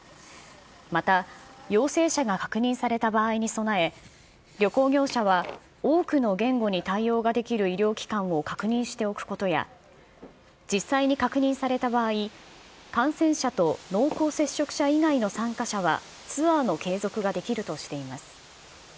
また陽性者が確認された場合に備え、旅行業者は、多くの言語に対応ができる医療機関を確認しておくことや、実際に確認された場合、感染者と濃厚接触者以外の参加者はツアーの継続ができるとしています。